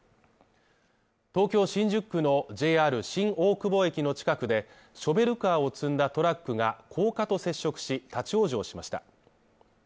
東京・新宿区のＪＲ新大久保駅の近くでショベルカーを積んだトラックが、高架と接触し立ち往生しました。